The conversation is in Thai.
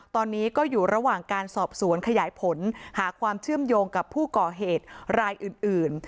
ตอนนี้ก็อยู่ระหว่างการสอบสวนขยายผลหาความเชื่อมโยงกับผู้ก่อเหตุรายอื่น